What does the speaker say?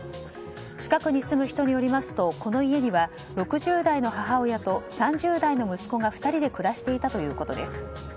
近くに住む人によりますとこの家には６０代の母親と３０代の息子が２人で暮らしていたということです。